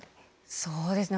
そうですね